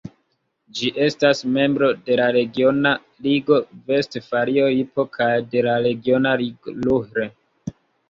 Ĝi estas membro de la regiona ligo Vestfalio-Lipo kaj de la regiona ligo Ruhr.